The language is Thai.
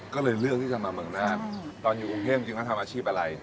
ก็เลยเลือกที่จะมาเมืองน่านตอนอยู่กรุงเทพจริงแล้วทำอาชีพอะไร